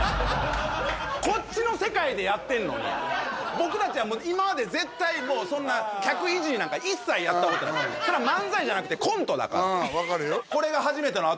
僕達は今まで絶対もうそんな客いじりなんか一切やったことないそれは漫才じゃなくてコントだからああ分かるよ